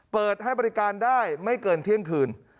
เปิดให้บริการได้ไม่เกินเที่ยงคืน